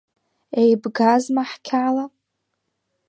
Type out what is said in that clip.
Еибгазма ҳқьала?